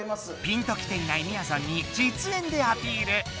ピンときていないみやぞんにじつえんでアピール。